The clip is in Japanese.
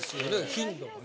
頻度がね。